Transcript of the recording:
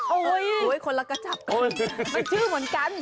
โอ้โหคนละกระจับกันมันชื่อเหมือนกัน